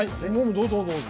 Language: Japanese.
どうぞどうぞ。